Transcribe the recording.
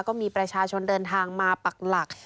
ก็มีประชาชนเดินทางมาปักหลัก